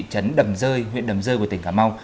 trấn đầm rơi huyện đầm rơi của tỉnh cà mau